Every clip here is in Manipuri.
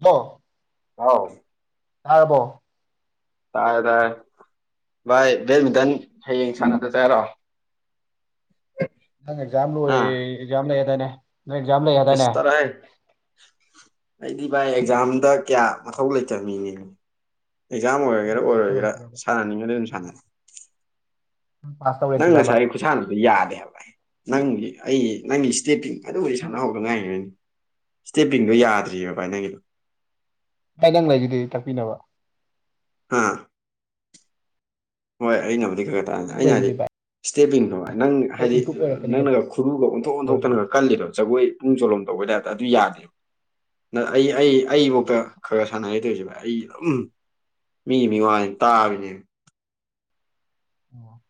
ꯍꯣ ꯑꯥꯎ ꯊꯔꯕꯣ ꯇꯥꯔꯦ ꯇꯥꯔꯦ ꯚꯥꯏ ꯕꯦꯠꯃꯤꯟꯇꯟ ꯍꯌꯦꯡ ꯁꯥꯟꯅ ꯆꯠꯁꯦ ꯍꯥꯏꯔꯣ ꯅꯪ ꯑꯦꯛꯖꯥꯝ ꯂꯣꯏꯔꯦꯌꯦ ꯑꯥ ꯑꯦꯛꯖꯥꯝ ꯂꯩ ꯍꯥꯏꯗꯥꯏꯅꯦ ꯅꯣꯏ ꯑꯦꯛꯖꯥꯝ ꯂꯩ ꯑꯁ ꯍꯥꯏꯗꯥꯏꯅꯦ ꯇꯔꯥꯍꯦ ꯑꯩꯗꯤ ꯚꯥꯏ ꯑꯦꯛꯖꯥꯝꯗ ꯀꯌꯥ ꯃꯊꯧ ꯂꯩꯇꯃꯤꯅꯦ ꯑꯦꯛꯖꯥꯝ ꯅꯪ ꯑꯣꯏꯔꯒꯦꯔꯥ ꯄꯥꯁ ꯑꯣꯏꯔꯣꯏꯒꯦꯔꯥ ꯇꯧꯔꯁꯤꯔꯕ ꯁꯥꯟꯅꯅꯤꯡꯉꯗꯤ ꯑꯗꯨꯝ ꯁꯥꯟꯅꯤ ꯅꯪ ꯄꯥꯁ ꯅꯪ ꯇꯧꯔꯁꯤꯔꯕ ꯉꯁꯥꯏ ꯈꯨꯩꯁꯥꯗꯨꯁꯨ ꯌꯥꯗꯦꯕ ꯑꯩ ꯅꯪꯒꯤ ꯑꯩ ꯅꯪꯒꯤ ꯏꯁꯇꯦꯠꯇꯤꯡ ꯑꯗꯨꯕꯨꯗꯤ ꯁꯅꯥꯍꯥꯎꯗ ꯉꯥꯏꯉꯅꯤ ꯁ꯭ꯇꯦꯄꯤꯡꯗꯣ ꯌꯥꯗ꯭ꯔꯤꯑꯕꯕꯥꯥꯏ ꯅꯪꯒꯤꯗꯣ ꯄꯥꯏ ꯅꯪ ꯂꯩꯕꯤꯗꯤ ꯇꯥꯛꯄꯤꯅꯕ ꯍꯥꯥ ꯍꯣꯏ ꯑꯩꯅꯕꯨꯗꯤ ꯈꯔ ꯈꯔ ꯇꯥꯔꯅꯦ ꯅꯪ ꯑꯩꯅ ꯍꯥꯏꯗꯤ ꯂꯩꯁꯤꯗꯤ ꯚꯥꯏ ꯏꯁꯇꯦꯕꯤꯤꯡꯗꯣ ꯅꯪ ꯑꯩ ꯍꯥꯏꯗꯤ ꯏꯝꯄ꯭ꯔꯨꯞ ꯑꯣꯏꯔꯛꯀꯅꯤ ꯅꯪꯅꯒ ꯈꯨꯔꯨꯒ ꯑꯣꯟꯊꯣꯛ ꯀꯩꯗꯧꯔꯒꯦ ꯚꯥꯏ ꯑꯣꯟꯊꯣꯛꯇꯅꯒ ꯀꯜꯂꯤꯗꯣ ꯖꯒꯣꯏ ꯄꯅꯨꯡ ꯆꯣꯂꯣꯝ ꯇꯧꯕꯩꯗ ꯍꯥꯏꯦ ꯑꯗꯨ ꯌꯥꯗꯦꯕ ꯅ ꯑꯩ ꯑꯩ ꯑꯩꯐꯥꯎꯇ ꯈꯔ ꯁꯥꯟꯅꯔ ꯇꯧꯔꯤꯁꯦꯕ ꯑꯩ ꯑꯗꯨꯝ ꯃꯤ ꯃꯤꯋꯥꯅꯤ ꯇꯥꯕꯅꯦꯕ ꯑꯣ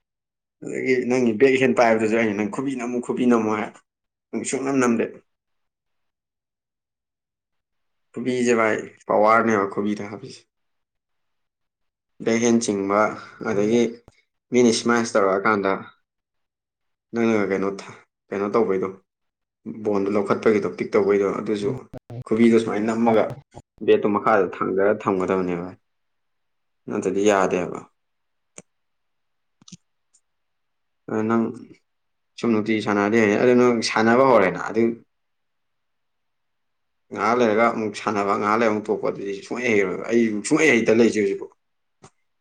ꯑꯗꯒꯤ ꯅꯪꯒꯤ ꯕꯦꯛ ꯍꯦꯟ ꯄꯥꯏꯕꯗꯨꯁꯨ ꯑꯩꯅ ꯅꯪ ꯈꯨꯕꯤ ꯅꯝꯃꯨ ꯈꯨꯕꯤ ꯅꯝꯃꯨ ꯍꯥꯏ ꯅꯪ ꯁꯨꯡꯅꯝ ꯅꯝꯗꯦ ꯈꯨꯣꯕꯤꯁꯦ ꯚꯥꯏ ꯄꯋꯥꯔꯅꯦꯕ ꯈꯨꯣꯕꯤꯗ ꯍꯥꯞꯕꯤꯁꯦ ꯕꯦꯛꯍꯦꯟ ꯆꯤꯡꯕ ꯑꯗꯒꯤ ꯃꯤꯅ ꯏꯁꯃꯥꯏꯜꯁ ꯇꯧꯔꯛꯑꯀꯥꯟꯗ ꯅꯪꯅꯒ ꯀꯩꯅꯣ ꯀꯩꯅꯣ ꯇꯧꯕꯒꯤꯗꯣ ꯕꯣꯟꯗꯣ ꯂꯧꯈꯠꯄꯒꯤꯗꯣ ꯄꯤꯛ ꯇꯧꯕꯩꯗꯣ ꯑꯗꯨꯁꯨ ꯈꯨꯕꯤꯗꯣ ꯁꯨꯃꯥꯏꯅ ꯅꯝꯃꯒ ꯕꯦꯠꯇꯣ ꯃꯈꯥꯗ ꯊꯥꯡꯖꯔꯒ ꯊꯝꯒꯗꯕꯅꯦꯕ ꯅꯠꯇ꯭ꯔꯗꯤ ꯌꯥꯗꯦꯕ ꯀ ꯅꯪ ꯁꯨꯝ ꯅꯨꯡꯇꯤ ꯁꯥꯟꯅꯔꯗꯤ ꯑꯗꯨ ꯅꯪ ꯁꯥꯟꯅꯕ ꯍꯧꯔꯦꯅ ꯑꯗꯨ ꯉꯥꯏꯍꯥꯛ ꯂꯩꯔꯒ ꯑꯃꯨꯛ ꯁꯥꯟꯅꯕ ꯉꯥꯏꯍꯥꯛ ꯂꯩꯔ ꯑꯃꯨꯛ ꯊꯣꯛꯄ ꯑꯗꯨꯗꯤ ꯁꯨꯡꯍꯩ ꯍꯩꯔꯣꯏꯕ ꯑꯩ ꯁꯨꯡꯍꯩ ꯍꯩꯇꯥ ꯂꯩꯖꯦ ꯍꯧꯖꯤꯛꯐꯥꯎ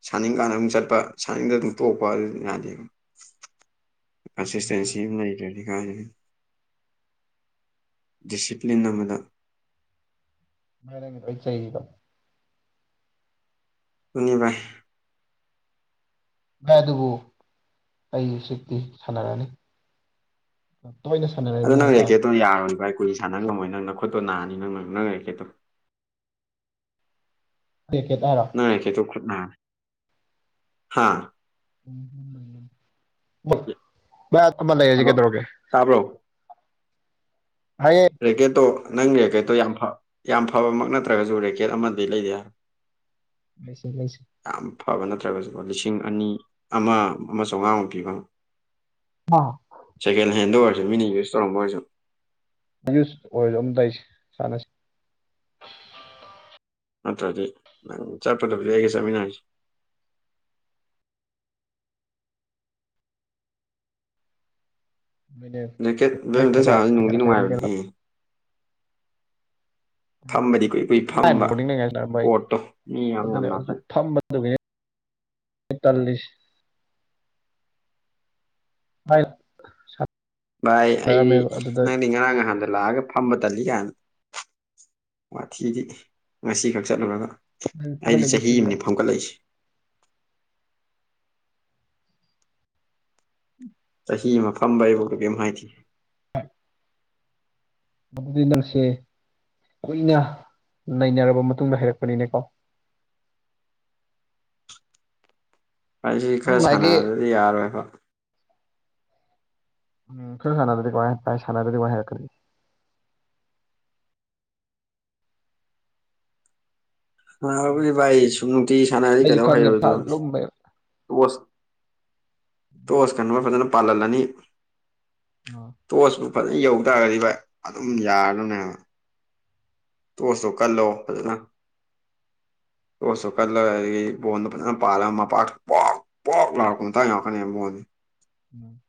ꯁꯥꯅꯤꯡꯀꯥꯟꯗ ꯑꯗꯨꯨꯛ ꯆꯠꯄ ꯁꯥꯅꯤꯡꯗ ꯑꯗꯨꯝ ꯇꯣꯛꯄ ꯑꯗꯨ ꯌꯥꯗꯦ ꯑꯁꯤꯁꯤꯁꯇꯦꯟꯁꯤ ꯑꯃ ꯂꯩꯈ꯭ꯔꯦꯅꯤ ꯀ ꯗꯤꯁꯤꯄ꯭ꯂꯤꯟ ꯑꯃꯗ ꯃꯅ ꯆꯣ ꯎꯅꯤꯕꯥ ꯚꯥꯏ ꯑꯗꯨꯕꯨ ꯑꯩꯁꯤꯛꯇꯤ ꯁꯥꯟꯅꯔꯅꯤ ꯇꯣꯏꯅ ꯁꯥꯟꯅꯔꯅꯤ ꯑꯗ ꯅꯪ ꯍꯥꯏꯇꯥꯔꯦ ꯔꯦꯀꯦꯠꯇꯣ ꯌꯥꯔꯣꯏ꯭ꯔꯚ ꯀꯨꯏꯥꯟꯅ ꯉꯝꯃꯣꯏ ꯅꯪꯅꯣꯠꯇꯣ ꯅꯥꯅꯤ ꯅꯪ ꯅꯪꯅꯦꯀꯦꯠꯇꯣ ꯀ ꯀꯦ ꯇꯔꯣ ꯅ ꯇ ꯍꯥꯥ ꯃ ꯊꯃ ꯂꯩꯁꯤ ꯍꯜꯂꯣ ꯀꯗꯔꯣꯒ ꯇꯥꯕ꯭ꯔꯣ ꯍꯥꯏꯌꯦ ꯔꯦꯀꯦꯠꯇꯣ ꯅꯪ ꯔꯦꯀꯦꯠꯇꯣ ꯌꯥꯝ ꯌꯥꯝ ꯐꯕꯃꯛ ꯅꯠꯇ꯭ꯔꯒꯁꯨ ꯔꯦꯀꯦꯠ ꯑꯃꯗꯤ ꯂꯩꯗꯦ ꯍꯥꯏꯕ ꯎꯝ ꯁ ꯀꯁꯤ ꯌꯥꯝ ꯐꯕ ꯅꯠꯇ꯭ꯔꯒꯁꯨꯀꯣ ꯂꯤꯁꯤꯡ ꯑꯅꯤ ꯑꯃ ꯑꯃ ꯆꯥꯝꯃꯉꯥꯃꯨꯛ ꯄꯤꯕ ꯑ ꯁꯦꯀꯦꯟ ꯍꯦꯟꯗ ꯑꯣꯏꯔꯁꯨ ꯃꯤꯅ ꯌꯨꯁ ꯇꯧꯔꯝꯕ ꯑꯣꯏꯔꯁꯨ ꯌꯨꯁ ꯑꯣꯏꯗꯣ ꯑꯝ ꯇꯧꯁꯦ ꯁꯥꯟꯅꯁꯤ ꯅꯠꯇ꯭ꯔꯗꯤ ꯅꯪ ꯆꯠꯄꯗꯕꯗꯤ ꯑꯩꯒ ꯆꯠꯃꯤꯟꯅꯔꯁꯤꯦ ꯑꯩ ꯖꯦꯀꯦꯠ ꯕꯦꯃꯤꯇꯟ ꯈꯔ ꯁꯥꯕꯁꯤ ꯅꯨꯡꯗꯤ ꯈꯔ ꯍꯩꯔꯛꯀꯅꯤ ꯀꯩꯅꯣ ꯅꯨꯡꯉꯥꯏꯕꯅꯦꯍꯦ ꯐꯝꯕꯗꯤ ꯀꯨꯏ ꯀꯨꯏ ꯐꯝꯕ ꯑꯩ ꯀꯣꯔꯠꯇꯣ ꯃꯤ ꯌꯥꯝ ꯌꯥꯝ ꯂꯥꯛꯀꯅꯤ ꯇꯅꯤꯡꯉꯥꯏ ꯑꯗꯨꯝꯕ ꯆꯇꯥꯜꯁ [inaudible] ꯚꯥꯏ ꯑꯩꯗꯤ ꯅꯪꯗꯤ ꯉꯔꯥꯡ ꯅꯍꯥꯟꯗ ꯂꯥꯛꯑꯒ ꯐꯝꯕ ꯇꯜꯂꯤ ꯀꯥꯏꯅ ꯋꯥꯊꯤꯗꯤ ꯉꯁꯤꯈꯛ ꯆꯠꯂꯨꯔꯒ ꯅꯪ ꯑꯩꯗꯤ ꯊꯣꯛꯒꯠꯂꯛꯏꯁꯦ ꯆꯍꯤ ꯀꯨꯏꯔꯦ ꯑꯃꯅꯤꯅꯦ ꯐꯝꯒꯠꯂꯛꯏꯁꯦ ꯎꯝ ꯆꯍꯤ ꯑꯃ ꯐꯝꯕ ꯑꯩꯕꯨꯥꯎ ꯀ ꯀꯔꯤꯝ ꯍꯥꯏꯈꯤꯦ ꯃꯗꯨꯗꯤ ꯅꯪꯁꯦ ꯀꯨꯏꯅ ꯅꯩꯅꯔꯕ ꯃꯇꯨꯡꯗ ꯍꯩꯔꯛꯄꯅꯤꯅꯦꯀꯣ ꯑꯩꯁꯤ ꯈꯔ ꯉꯁꯥꯏꯒꯤ ꯁꯥꯟꯅꯗꯗꯤ ꯌꯥꯔꯣꯏꯕ ꯎꯝ ꯈꯔꯥ ꯁꯥꯟꯅꯗ꯭ꯔꯗꯤ ꯀꯃꯥꯏ ꯀꯥꯏ ꯁꯥꯟꯅꯗ꯭ꯔꯗꯤ ꯀꯃꯥꯏ ꯍꯩꯔꯛꯀꯅꯤ ꯁꯥꯅꯔꯕꯨꯗꯤ ꯚꯥꯏ ꯁꯨꯝ ꯅꯨꯡꯇꯤ ꯁꯥꯟꯅꯔꯗꯤ ꯑꯩꯁꯨ ꯀꯩꯗꯧ ꯈꯪꯉꯦ ꯐ ꯍꯩꯔꯣꯏꯗꯣꯏꯅꯣ ꯂꯨꯝꯕꯩ ꯇꯣꯁ ꯇꯣꯁ ꯀꯟꯅꯕ ꯐꯥꯖꯅ ꯄꯥꯜꯍꯜꯂꯅꯤ ꯎꯝ ꯇꯣꯆꯄꯨ ꯐꯖꯅ ꯌꯧ ꯇꯥꯔꯒꯗꯤ ꯑꯗꯨꯝ ꯌꯥꯔꯕꯅꯦꯕ ꯇꯣꯁꯇꯣ ꯀꯜꯂꯣ ꯐꯖꯅ ꯇꯣꯁꯇꯣ ꯀꯜꯂ ꯕꯣꯟꯗꯣ ꯐꯖꯅ ꯄꯥꯜꯂ ꯃꯄꯥꯛ ꯄꯣꯛ ꯄꯣꯛ ꯂꯥꯎꯔꯛꯄ ꯃꯇꯥꯡ ꯌꯥꯎꯔꯛꯀꯅꯤ ꯕꯣꯟꯁꯦ ꯎꯝ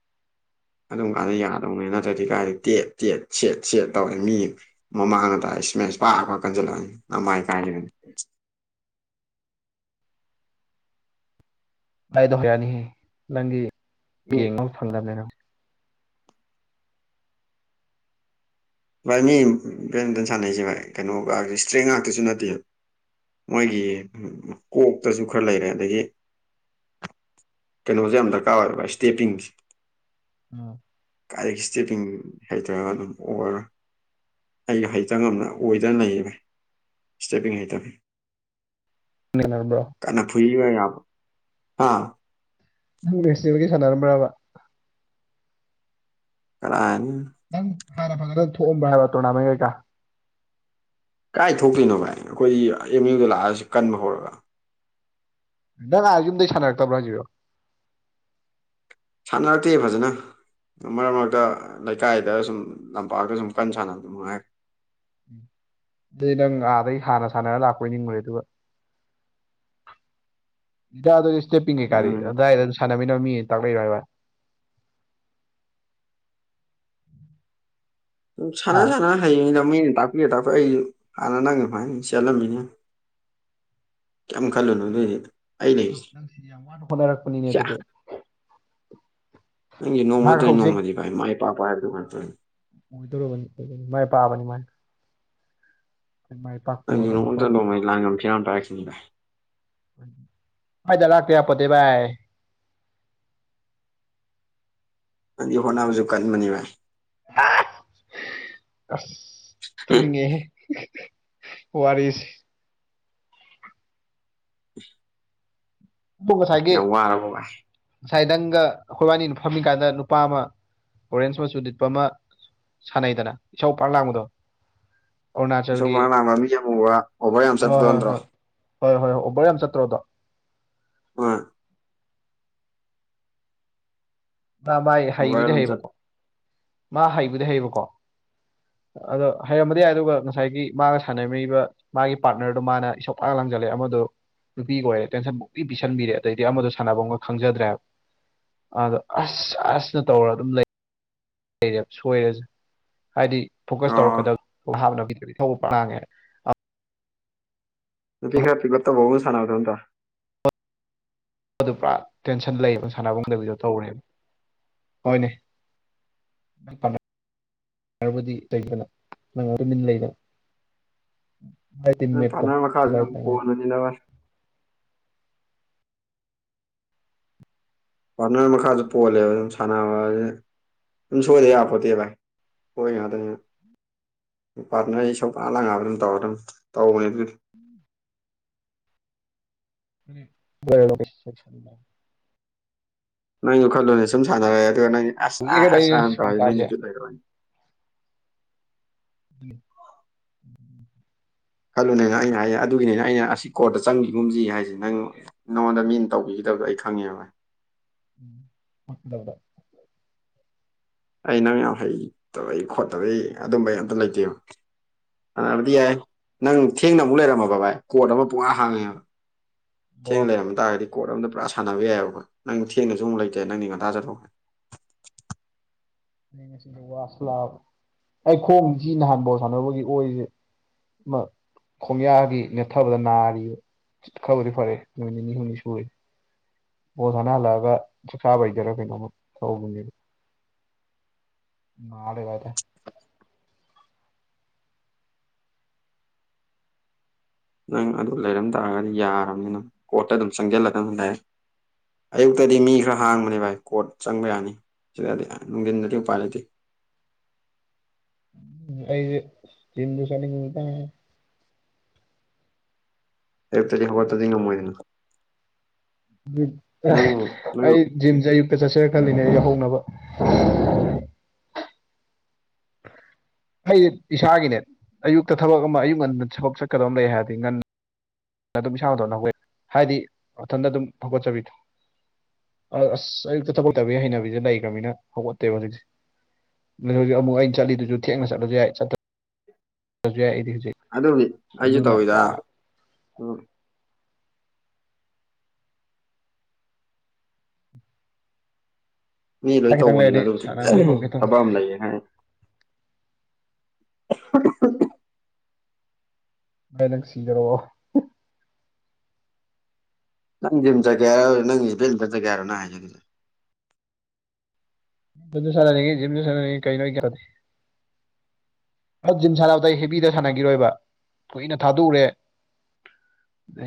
ꯑꯗꯨꯝ ꯀꯥꯟꯗ ꯌꯥꯗꯧꯅꯦ ꯅꯠꯇ꯭ꯔꯗꯤ ꯀꯥꯏꯗꯤ ꯇꯦꯠ ꯇꯦꯠ ꯁꯦꯠ ꯁꯦꯠ ꯇꯧꯔꯦ ꯃꯤ ꯃꯃꯥꯡꯗ ꯇꯥꯏ ꯁ꯭ꯃꯦꯁ ꯄꯥꯛ ꯄꯥꯛ ꯀꯟꯁꯤꯜꯂꯛꯑꯅꯤ ꯅꯃꯥꯏ ꯀꯥꯏ [unintelligible] ꯚꯥꯏ ꯑꯗꯣ ꯍꯩꯔꯛꯑꯅꯤꯍꯦ ꯅꯪꯗꯤ [unintelligible] ꯚꯥꯏ ꯃꯤ ꯕꯦꯠꯃꯤꯟꯇꯟ ꯁꯥꯟꯅꯁꯦ ꯚꯥꯏ ꯀꯩꯅꯣꯒ ꯏꯁꯇ꯭ꯔꯦꯡ ꯉꯥꯛꯇꯁꯨ ꯅꯠꯇꯦꯕ ꯃꯣꯏꯒꯤ ꯀꯣꯛꯇꯁꯨ ꯈꯔ ꯂꯩꯔꯦ ꯑꯗꯒꯤ ꯀꯩꯅꯣꯁꯦ ꯌꯥꯝ ꯗꯔꯀꯥꯔ ꯑꯣꯏꯕ ꯚꯥꯏ ꯁ꯭ꯇꯦꯄꯤꯡꯁꯦ ꯑ ꯀꯥꯏꯗꯒꯤ ꯏꯁꯇꯦꯄꯤꯡ ꯍꯩꯇꯔꯒ ꯑꯗꯨꯝ ꯑꯣꯔꯔꯣꯏ ꯑꯩꯁꯨ ꯍꯩꯇ ꯉꯝꯅ ꯑꯣꯏꯗꯅ ꯂꯩꯌꯦ ꯚꯥꯏ ꯁ꯭ꯇꯦꯄꯤꯡ ꯍꯩꯇꯕꯩ ꯎꯝ [inaudible] ꯅꯕ꯭ꯔꯣ ꯀꯟꯅ ꯐꯨꯏꯕ ꯌꯥꯕ ꯍꯥꯥ ꯅꯪ [unintelligible] ꯒꯤ ꯁꯥꯟꯅꯔꯝꯕ꯭ꯔꯕ ꯀꯔꯥꯏꯗꯩꯅꯣ ꯅꯪ ꯍꯥꯟꯅ ꯐꯅ ꯊꯣꯛꯑꯝꯕꯔ ꯍꯥꯏꯕ ꯇꯣꯔꯅꯥꯃꯦꯟ ꯀꯩꯀꯥ ꯀꯥꯏ ꯊꯣꯛꯇꯣꯏꯅꯣ ꯚꯥꯏ ꯑꯩꯈꯣꯏ ꯑꯦꯝ ꯌꯨꯗ ꯂꯥꯛꯑ ꯀꯟꯕ ꯍꯧꯔꯒ ꯅꯪ ꯑꯥ ꯌꯨꯝꯗꯩ ꯁꯥꯟꯅꯔꯛꯇꯕ꯭ꯔꯣ ꯍꯥꯏꯁꯤꯕꯨ ꯁꯥꯟꯅꯔꯛꯇꯦ ꯐꯖꯅ ꯑꯗꯨ ꯃꯔꯛ ꯃꯔꯛꯇ ꯂꯩꯀꯥꯏꯗ ꯁꯨꯝ ꯂꯝꯄꯥꯛꯇ ꯁꯨꯝ ꯀꯟ ꯁꯥꯟꯅꯕ ꯑꯗꯨꯝ ꯃꯉꯥꯏꯔꯦ ꯑꯗꯨꯗꯤ ꯅꯪ ꯑꯥꯗꯩ ꯍꯥꯟꯅ ꯁꯥꯟꯅꯔ ꯂꯥꯛꯄꯣꯏ ꯅꯤꯡꯉꯨꯔꯦ ꯑꯗꯨꯒ [unintelligible] [unintelligible] ꯏꯁꯇꯦꯄꯤꯡ ꯀꯩꯀꯥꯗꯤ ꯑꯗꯨꯅ ꯑꯗꯥꯏꯗ ꯁꯥꯟꯅꯃꯤꯟꯅꯕ ꯃꯤꯒꯩꯅ ꯇꯥꯛꯂꯛꯏꯔ ꯍꯥꯏꯕ ꯁꯥꯟꯅ ꯍꯥ ꯁꯥꯟꯅ ꯍꯩꯔꯤꯅꯤꯗ ꯃꯤꯅ ꯇꯥꯛꯄꯤꯔ ꯇꯥꯛꯄ ꯑꯩ ꯍꯥꯟꯅ ꯅꯪ ꯁꯨꯃꯥꯏ ꯆꯠꯂꯝꯃꯤꯅꯤ ꯀꯩꯝ ꯈꯜꯂꯨꯅꯨ ꯑꯗꯨꯏꯗꯤ ꯑꯩ ꯂꯩꯔꯤ ꯅꯪꯁꯤ ꯌꯥꯝ ꯋꯥꯅ ꯍꯣꯠꯅꯔꯛꯄꯅꯤꯅꯦ ꯑꯗꯨꯗꯤ [unintelligible] ꯅꯪꯁꯨ ꯅꯣꯡꯃ ꯅꯍꯥꯛ ꯅꯠꯇ꯭ꯔꯗꯤ ꯍꯧꯖꯤꯛ ꯅꯣꯡꯃꯗꯤ ꯚꯥꯏ ꯃꯥꯏ ꯄꯥꯛꯄ ꯍꯥꯏꯕꯗꯨ ꯑꯣꯏꯔꯛꯇꯣꯏ ꯑꯣꯏꯗꯣꯔꯕꯅꯤ [unintelligible] ꯃꯥꯏ ꯄꯥꯛꯑꯕꯅꯤ ꯃꯥꯏ [unintelligible] ꯅꯪꯁꯨ ꯅꯣꯡꯃ ꯑꯣꯏꯔꯕꯅꯤꯀꯣ ꯅꯠꯇ꯭ꯔꯒ ꯅꯣꯡꯃ ꯂꯥꯟꯉꯝ ꯐꯤꯔꯥꯟ ꯄꯥꯔꯛꯈꯤꯅꯤ ꯚꯥꯏ [inaudible] ꯄꯥꯏꯗ ꯂꯥꯛꯇ ꯌꯥꯄꯣꯠꯇꯦ ꯚꯥꯏ ꯅꯪꯗꯤ ꯍꯣꯠꯅꯕꯁꯨ ꯀꯟꯕꯅꯤ ꯚꯥꯏ [unintelligible] ꯑꯁ ꯇꯨꯝꯅꯤꯡꯉꯦꯍꯦ ꯋꯥꯔꯤꯁꯤ [inaudible] [unintelligible] ꯉꯁꯥꯏꯒꯤ ꯌꯥꯝ ꯋꯥꯔꯕ ꯚꯥꯏ ꯉꯁꯥꯏ ꯅꯪꯒ ꯑꯩꯈꯣꯏꯕꯥꯅꯤꯅ ꯐꯝꯃꯤꯀꯥꯟꯗ ꯅꯨꯄꯥ ꯑꯃ ꯑꯣꯔꯦꯟꯖ ꯃꯆꯨ ꯂꯤꯠꯄ ꯑꯃ ꯁꯥꯟꯅꯩꯗꯅ ꯏꯁꯧ ꯄꯥꯡ ꯂꯥꯡꯕꯗꯣ ꯏꯁꯧ ꯑꯔꯨꯅꯥꯆꯜꯒꯤ ꯄꯪꯂꯥꯡ ꯂꯥꯡꯕ ꯃꯤ ꯑꯃꯨꯕ ꯑꯣꯕꯔ ꯌꯥꯝ ꯍꯣꯏ ꯆꯠꯄꯗꯣ ꯍꯣꯏ ꯅꯠꯇ꯭ꯔꯣ ꯍꯣꯏ ꯍꯣꯏ ꯍꯣꯏ ꯑꯣꯕꯔ ꯌꯥꯝ ꯆꯠꯇ꯭ꯔꯣꯗꯣ ꯑ ꯃꯥ ꯃꯥꯥꯏ ꯑꯣꯚꯔ ꯍꯩꯕꯨꯗꯤ ꯑꯗꯨꯝ ꯆꯠ ꯍꯩꯕꯀꯣ ꯃꯥ ꯍꯩꯕꯨꯗꯤ ꯍꯩꯕꯀꯣ ꯑꯗꯣ ꯍꯩꯔꯝꯕꯗꯤ ꯌꯥꯏ ꯑꯗꯨꯒ ꯉꯁꯥꯏꯒꯤ ꯃꯥꯒ ꯁꯥꯟꯅꯃꯤꯕ ꯃꯥꯒꯤ ꯄꯥꯔꯠꯅꯔꯗꯨꯣ ꯃꯥꯅ ꯏꯁꯞ ꯂ ꯂꯪꯖꯜꯂꯦ ꯑꯃꯗꯨ ꯅꯨꯄꯤꯒꯤ ꯑꯣꯏꯔꯦ ꯇꯦꯟꯁꯟ ꯃꯕꯨꯛꯛꯇ ꯄꯤꯁꯟꯕꯤꯔꯦ ꯑꯗꯩꯗꯤ ꯑꯃꯗ ꯁꯥꯟꯅꯕ ꯑꯃꯒ ꯈꯪꯖꯗ꯭ꯔꯦꯕ ꯑꯗꯣ ꯑꯁ ꯑꯁꯅ ꯇꯧꯔ ꯑꯗꯨꯝ ꯂꯩ ꯂꯩꯔꯦ ꯁꯣꯏꯔꯁꯨ ꯍꯥꯏꯗꯤ ꯐꯣꯀꯁ ꯑꯣ ꯇꯧꯔꯛꯀꯗꯕ ꯍꯥꯞꯅꯕꯤꯗꯗꯤ ꯊꯧꯕ ꯄꯥꯡꯉꯦ ꯅꯄꯤꯤ ꯈꯔ ꯄꯤꯒꯄꯣ ꯁꯥꯟꯅꯣꯣ ꯑꯗꯨ ꯄꯨꯔꯥ ꯇꯦꯟꯁꯟ ꯂꯩꯌꯦꯕ ꯁꯥꯟꯅꯕꯨꯡꯗꯕꯤꯗꯣ ꯇꯧꯔꯦꯕ ꯍꯣꯏꯅꯦ ꯕꯨꯗꯤꯩꯗꯅ ꯅꯪ ꯇꯃꯤꯟ ꯂꯩꯗ ꯃꯄꯣ ꯁꯤꯕꯥꯥꯏ ꯇꯉ ꯃꯂꯋꯥ ꯄꯥꯔꯠꯅꯔ ꯃꯈꯥꯁꯨ ꯄꯣꯜꯂꯦꯕ ꯑꯗꯨꯝ ꯁꯥꯟꯅꯕ ꯑꯗꯨꯝ ꯁꯣꯏꯗ ꯌꯥꯄꯣꯠꯇꯦ ꯚꯥꯏ ꯍꯣꯏ ꯌꯥꯗ ꯄꯥꯔꯠꯅꯔ ꯑꯩ ꯁꯧꯄ ꯂꯪꯉꯛꯑ ꯑꯗꯨꯝ ꯇꯧꯔꯒ ꯑꯗꯨꯝ ꯇꯧꯕꯅꯦ ꯑꯗꯨ ꯂꯁ ꯁ ꯅꯪ ꯌꯣꯈꯠꯂꯣꯅꯦ ꯁꯨꯝ ꯁꯥꯟꯅꯔꯛꯑꯦ ꯑꯗꯨꯒ ꯅ ꯑꯁ ꯑꯥ ꯀꯩꯅꯣ ꯑꯁ ꯑ ꯑꯩ ꯁꯪ ꯇꯧꯔꯦ ꯅꯪ ꯇꯥꯕꯁꯦ ꯅꯨꯃꯤꯄꯤꯠ ꯂꯩꯈ꯭ꯔꯣꯏꯅꯤ ꯎꯝ ꯈꯜꯂꯨꯅꯦ ꯑꯩꯅ ꯍꯥꯏꯌꯦ ꯑꯗꯨꯒꯤꯅꯤꯅꯦ ꯑꯩꯅ ꯑꯁꯤ ꯀꯣꯔꯠꯇ ꯆꯪꯕꯤꯒꯨꯝꯁꯤ ꯍꯥꯏꯁꯦ ꯅꯪ ꯅꯉꯣꯟꯗ ꯃꯤꯅ ꯇꯧꯕꯤꯒꯗꯕꯗꯣ ꯑꯩ ꯈꯪꯉꯦꯕ ꯎꯗꯧꯗ ꯑꯩꯅꯪ ꯌꯥꯝ ꯍꯩꯇꯕꯩ ꯈꯣꯠꯇꯕꯩ ꯑꯗꯨꯝꯕ ꯌꯥꯝꯇ ꯂꯩꯇꯦꯕ ꯑꯗꯨꯕꯗꯤ ꯌꯥꯏ ꯅꯪ ꯊꯦꯡꯅ ꯑꯃꯨꯛ ꯂꯩꯔꯝꯃꯕ ꯚꯥꯏ ꯀꯣꯔꯠ ꯑꯃ ꯄꯨꯨꯡꯔꯥ ꯍꯥꯡꯉꯦꯕ ꯑꯣ ꯁꯤꯦꯃ ꯇ ꯍꯥꯏ ꯀꯣꯔꯣꯠ ꯑꯃꯗ ꯄꯨꯔꯥ ꯁꯥꯟꯅꯕ ꯌꯥꯏꯕ ꯑꯩꯈꯣꯏꯪ ꯊꯦꯡꯅꯁꯨ ꯑꯃꯨꯛ ꯂꯩꯇꯦ ꯅꯪꯗꯤ ꯉꯟꯊꯥꯖꯔꯛꯒꯦ ꯉꯁꯤ ꯋꯥꯁꯂꯥ ꯑꯩꯈꯣꯡ ꯁꯤ ꯅꯍꯥꯟ ꯐꯥꯎ ꯁꯥꯟꯅꯕꯒꯤ ꯑꯣꯏꯔꯤꯁꯦ ꯈꯣꯡꯌꯥꯒꯤ ꯅꯦꯠꯊꯕꯗ ꯅꯥꯔꯤꯕ ꯈꯕꯔ ꯐꯔꯦ ꯅꯣꯏꯅꯤꯅꯤ ꯍꯨꯅꯤ ꯁꯋꯦ ꯄꯣꯁꯥꯅ ꯍꯜꯂꯛꯑꯒ ꯆꯁꯥꯕ ꯍꯩꯗꯔꯥ ꯀꯩꯅꯣꯃ ꯊꯧꯕꯅꯤꯗ ꯃꯥꯔꯦ ꯀꯗꯦ ꯅꯪ ꯑꯗꯨ ꯂꯩꯔꯝ ꯇꯥꯔꯒꯗꯤ ꯌꯥꯔꯕꯅꯤꯅꯪ ꯀꯣꯔꯠꯇ ꯑꯗꯨꯝ ꯆꯪꯁꯤꯜꯂꯗꯅ ꯂꯩꯔꯦ ꯑꯌꯨꯛꯇꯗꯤ ꯃꯤ ꯈꯔ ꯍꯥꯡꯕꯅꯦ ꯚꯥꯏ ꯀꯣꯔꯣꯠ ꯆꯪꯕ ꯌꯥꯅꯤ ꯁꯤꯗꯗꯤ ꯅꯨꯡꯊꯤꯟꯗꯗꯤ ꯎꯄꯥꯏ ꯂꯩꯇꯦ ꯑꯩ ꯇꯤꯟ ꯁꯅꯤ ꯉꯇ ꯑꯌꯨꯛꯇꯗꯤ ꯍꯧꯒꯠꯠꯇꯗꯤ ꯉꯝꯃꯣꯏꯗꯅ ꯅꯪ ꯅꯪ ꯑꯩ ꯖꯤꯝꯁꯦ ꯑꯌꯨꯛꯛꯇ ꯆꯠꯁꯦꯔ ꯈꯜꯂꯤꯅꯦ ꯑꯩꯒꯤ ꯍꯧꯅꯕ ꯑꯩ ꯏꯁꯥꯒꯤꯅꯦ ꯑꯌꯨꯛꯇ ꯊꯕꯛ ꯑꯃ ꯑꯌꯨꯛ ꯉꯟꯗ ꯊꯕꯛ ꯆꯠꯀꯗꯕ ꯑꯃ ꯂꯩ ꯍꯥꯏꯔꯗꯤ ꯉꯟꯅ ꯑꯗꯨꯝ ꯏꯁꯥꯡ ꯍꯊꯅ ꯍꯧꯋꯦ ꯍꯥꯏꯗꯤ ꯃꯊꯟꯇ ꯑꯗꯨꯝ ꯍꯧꯒꯠꯆꯕꯤꯗꯣ ꯑ ꯑꯁ ꯑꯌꯨꯛꯇ ꯊꯕꯛꯛꯇꯕ ꯍꯩꯅꯕꯤꯁꯦ ꯂꯩꯈ꯭ꯔꯕꯅ ꯍꯧꯒꯠꯇꯦꯕ ꯍꯧꯖꯤꯛꯁꯦ ꯍꯧꯖꯤꯛ ꯑꯃꯨꯛ ꯑꯩꯅ ꯆꯠꯗꯨꯁꯨ ꯊꯦꯡꯅ ꯆꯠꯂꯁꯨ ꯌꯥꯏ ꯆꯠ ꯍꯧꯖꯤ ꯌꯥ ꯏꯗꯤ ꯍꯧꯖꯤꯛ ꯑꯗꯨꯕꯨꯗꯤ ꯑꯩꯁꯨ ꯑꯗꯨꯅ ꯇꯧꯋꯤꯗ ꯄꯨꯔꯥ ꯎꯝ ꯃꯤ ꯂꯣꯏ ꯈꯤꯇꯪ ꯇꯧꯕꯅꯤꯅ ꯂꯩꯔꯗꯤ ꯑꯗꯨꯕꯨꯗꯤ ꯁꯥꯟꯅꯕꯁꯦ ꯍꯧꯒꯦ ꯇꯧꯅꯤ ꯊꯕꯛ ꯑꯃ ꯂꯩꯌꯦꯅ ꯍ ꯅꯣꯏ ꯅꯪ ꯁꯤꯗꯔꯛꯑꯣ ꯅꯪ ꯖꯤꯝ ꯆꯠꯒꯦꯔ ꯅꯪ ꯏꯐꯤꯜꯗ ꯆꯒꯦꯔꯣꯅ ꯍꯥꯏꯖꯒꯔꯤꯁꯦ ꯝꯁꯨ ꯁꯥꯟꯅꯅꯤꯡꯉꯦ ꯖꯤꯝꯁꯨ ꯁꯥꯟꯅꯅꯤꯡꯉ ꯀꯩꯅꯣ ꯑ ꯖꯤꯝ ꯁꯥꯟꯅꯕꯗ ꯍꯦꯕꯤꯗ ꯁꯥꯟꯅꯈꯤꯔꯣꯏꯕ ꯀꯨꯏꯅ ꯊꯥꯗꯣꯛꯎꯔꯦ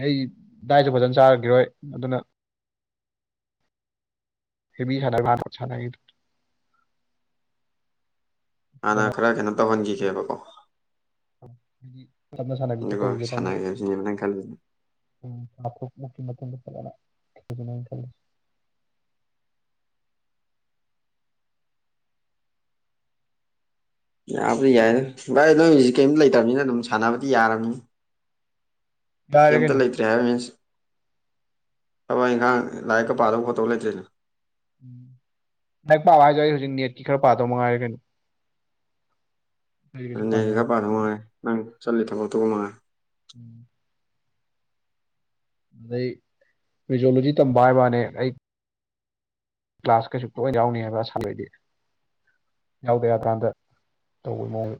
ꯑꯩ ꯗꯥꯏꯁꯨ ꯐꯖꯅ ꯆꯥꯔꯈꯤꯔꯣꯏ ꯑꯗꯨꯅ ꯍꯦꯕꯤ ꯁꯥꯟꯅꯔ ꯁꯥꯟꯅꯔꯤꯗꯣ ꯍꯥꯟꯅ ꯀꯣꯟꯅ ꯈꯔ ꯀꯩꯅꯣ ꯇꯧꯍꯟꯈꯤꯒꯦꯕꯀꯣ ꯇꯞꯅ ꯁꯥꯟꯅꯕꯤꯗ ꯑꯗꯨꯒ ꯇꯧꯁꯦ ꯇ ꯁꯥꯟꯅꯒꯦꯕꯁꯤꯅꯦꯕ ꯅꯪ ꯈꯜꯂꯤꯁꯦ ꯎꯝ ꯐ ꯌꯥꯕꯗꯤ ꯌꯥꯏ ꯚꯥꯏ ꯅꯣꯏ ꯍꯧꯖꯤ ꯀꯔꯤꯝꯇ ꯂꯩꯇꯕꯅꯤꯅ ꯑꯗꯨꯝ ꯁꯥꯟꯅꯕꯗꯤ ꯌꯥꯔꯝꯅꯤ ꯌꯥꯔꯦ ꯀꯩꯝꯇ ꯀꯩꯅꯣ ꯂꯩꯇ꯭ꯔꯦ ꯍꯥꯏꯕ ꯃꯤꯟꯁ ꯊꯕꯛ ꯏꯪꯈꯥꯡ ꯂꯥꯏꯔꯤꯛꯀ ꯄꯥꯗꯕ ꯈꯣꯠꯇꯧ ꯂꯩꯇ꯭ꯔꯤꯅ ꯎꯝ ꯂꯥꯏ ꯄꯥꯕ ꯍꯥꯏꯖ ꯑꯩ ꯍꯧꯖꯤꯛ ꯅꯦꯠꯀꯤ ꯈꯔ ꯄꯥꯗꯧ ꯃꯉꯥꯏꯔꯦ ꯀꯩꯅꯣ ꯑꯩ ꯀꯩꯁꯨ ꯄꯥꯅꯤꯡꯉꯥꯏ ꯑꯗꯨꯅꯦꯒ ꯄꯗ ꯃꯥꯉꯦ ꯅꯪ ꯆꯠꯂꯤ ꯊꯕꯗꯒ ꯃꯥꯉꯦ ꯎꯝ ꯑꯗꯩ ꯐꯖꯣꯂꯣꯖꯤ ꯇꯝꯕ ꯍꯥꯏ ꯃꯥꯅꯦ ꯑꯩ ꯀ꯭ꯂꯥꯁ ꯀꯩꯁꯨ ꯄꯂ ꯌꯥꯎꯅꯤ ꯍꯥꯏꯕ ꯑꯁ ꯁꯥꯟꯗꯣꯏꯗꯗꯤ ꯌꯥꯎꯗ ꯍꯥꯏꯀꯥꯟꯗ ꯇꯧꯕꯒꯤ ꯃꯑꯣꯡ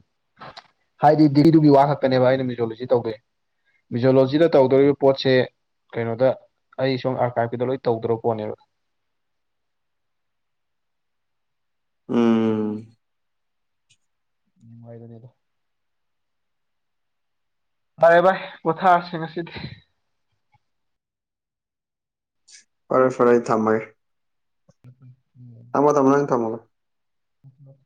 ꯍꯥꯏꯗꯤ ꯗꯤꯒ꯭ꯔꯤꯗꯨꯒꯤ ꯋꯥ ꯈꯛꯛꯇꯅꯦꯕ ꯑꯩꯅ ꯃꯤꯖꯣꯂꯣꯖꯤ ꯇꯧꯗꯦ ꯃꯤꯖꯣꯂꯣꯖꯤꯗ ꯇꯧꯗꯣꯔꯤꯕ ꯄꯣꯠꯁꯦ ꯀꯩꯅꯣꯗ ꯑꯩ ꯁꯣꯝ ꯑꯥꯔꯀꯥ ꯀꯗ ꯂꯣꯏ ꯇꯧꯗ꯭ꯔꯕ ꯄꯣꯠꯅꯦꯕ ꯎꯝ ꯎ ꯑꯣꯏꯗꯗꯤꯗ ꯚꯔꯦ ꯚꯥꯏ ꯄꯣꯊꯥꯁꯤꯡ ꯑꯁꯤꯗꯤ ꯐꯔꯦ ꯐꯔꯦ ꯊꯝꯃꯒꯦ ꯎꯝ ꯊꯝꯃꯣ ꯊꯝꯃ ꯅꯪ ꯊꯃꯣ ꯃꯂ